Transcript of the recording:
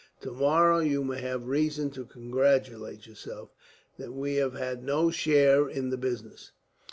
Tomorrow you may have reason to congratulate yourselves that we have had no share in the business."